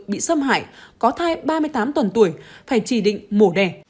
bị xâm hại có thai ba mươi tám tuần tuổi phải trì định mổ đè